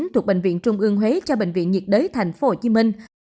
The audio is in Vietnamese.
thuộc bệnh viện trung ương huế cho bệnh viện nhiệt đới tp hcm